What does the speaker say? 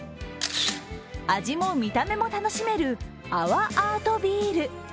味も見た目も楽しめる泡アートビール。